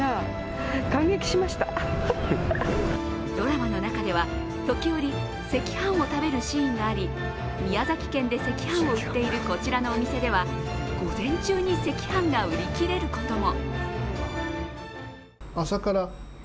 ドラマの中では時折赤飯を食べるシーンがあり、宮崎県で赤飯を売っているこちらのお店では午前中に赤飯が売り切れることも。